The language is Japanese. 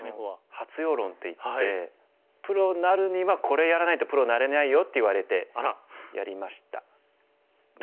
「発陽論」っていって「プロになるにはこれやらないとプロになれないよ」って言われてやりましたが。